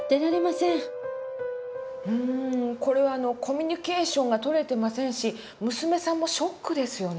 うんこれはコミュニケーションが取れてませんし娘さんもショックですよね。